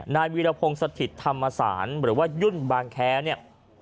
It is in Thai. วีรพงศ์สถิตธรรมศาลหรือว่ายุ่นบางแค้เนี่ย